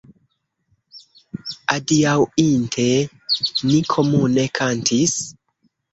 Adiaŭinte ni komune kantis.